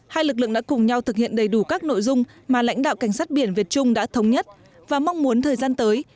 hai lực lượng đã cùng nhau thực hiện đầy đủ các nội dung mà lãnh đạo cảnh sát biển việt trung đã thống nhất và mong muốn thời gian tới